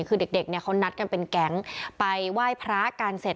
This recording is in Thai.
คือเด็กเขานัดกันเป็นแก๊งไปไหว้พระการเศษ